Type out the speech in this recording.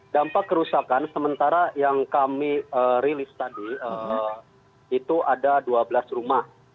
dampak kerusakan sementara yang kami rilis tadi itu ada dua belas rumah